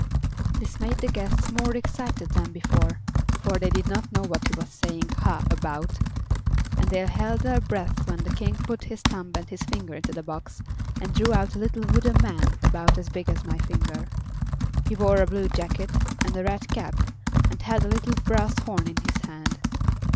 This made the guests more excited than before, for they did not know what he was saying "ha!" about; and they held their breaths when the King put his thumb and finger into the box and drew out a little wooden man about as big as my finger. He wore a blue jacket and a red cap and held a little brass horn in his hand.